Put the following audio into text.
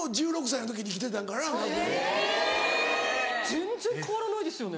全然変わらないですよね。